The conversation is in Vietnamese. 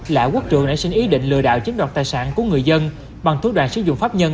lã quốc trưởng đã xin ý định lừa đảo chiếm đoạt tài sản của người dân bằng thuốc đoàn sử dụng pháp nhân